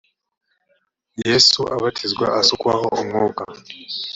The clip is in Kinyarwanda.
yesu abatizwa asukwaho umwuka